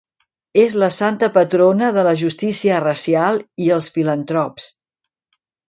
És la santa patrona de la justícia racial i els filantrops.